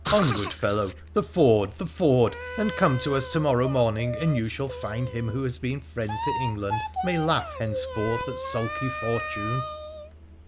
On, good fellow!— the ford! the ford ! and come to us to morrow morning and you shall find him who has been friend to England may laugh henceforth at sulky Fortune